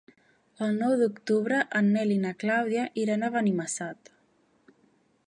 El nou d'octubre en Nel i na Clàudia iran a Benimassot.